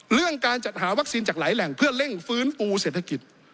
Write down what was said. เรื่องการจัดหาวัคซีนจากหลายแหล่งเพื่อเร่งฟื้นฟูเศรษฐกิจ